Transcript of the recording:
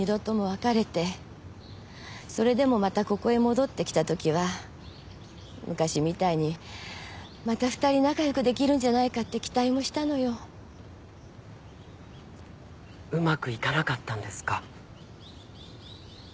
それでもまたここへ戻ってきた時は昔みたいにまた２人仲よくできるんじゃないかって期待もしたのようまくいかなかったんですか？